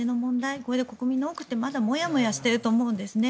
これが国民の多くがまだ、モヤモヤしていると思うんですね。